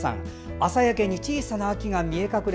「朝焼けに小さな秋が見え隠れ」。